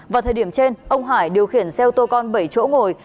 vào thời điểm trên ông hải điều khiển xe ô tô con bảy chỗ ngồi